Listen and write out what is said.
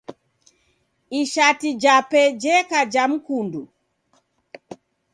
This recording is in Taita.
Ishati jape jeka ja mkundu.